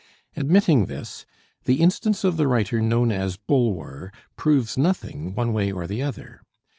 Admitting this, the instance of the writer known as "Bulwer" proves nothing one way or the other.